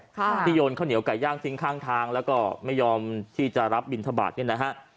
ค่ะที่โยนข้าวเหนียวไก่ย่างทิ้งข้างทางแล้วก็ไม่ยอมที่จะรับบินทบาทเนี่ยนะฮะ